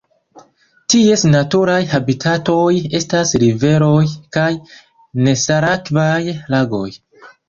Ties naturaj habitatoj estas riveroj kaj nesalakvaj lagoj.